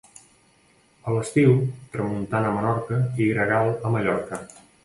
A l'estiu, tramuntana a Menorca i gregal a Mallorca.